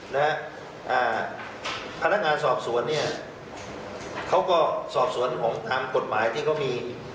นะฮะอ่าพนักงานสอบสวนเนี่ยเขาก็สอบสวนของทางกฎหมายที่เขามี